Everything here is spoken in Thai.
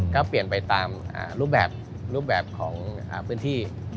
ก็เปลี่ยนไปตามรูปแบบรูปแบบของพื้นที่